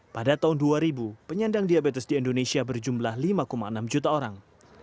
pada tahun dua ribu penyandang diabetes di indonesia berjumlah lima enam juta orang